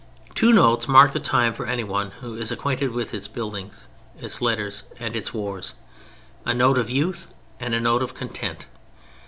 Two notes mark the time for anyone who is acquainted with its building, its letters, and its wars: a note of youth, and a note of content.